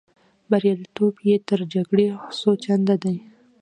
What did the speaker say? بریالیتوب یې تر جګړې څو چنده دی.